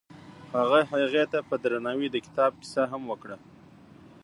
هغه هغې ته په درناوي د کتاب کیسه هم وکړه.